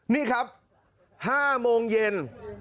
นี่ครับ๕โมงเย็น